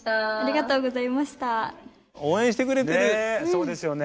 そうですよね。